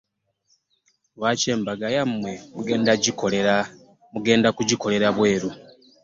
Lwaki embaga yammwe mugenda gugikolera bweru?